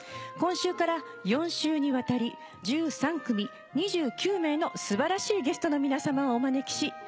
今週から４週にわたり１３組２９名の素晴らしいゲストの皆さまをお招きし